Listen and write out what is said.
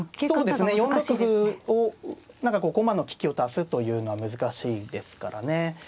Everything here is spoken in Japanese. そうですね４六歩を何かこう駒の利きを足すというのは難しいですからね。